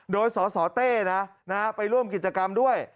โดยสสเต้นะไปร่วมกิจกรรมด้วย